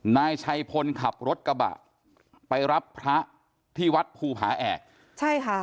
นายชัยพลขับรถกระบะไปรับพระที่วัดภูผาแอกใช่ค่ะ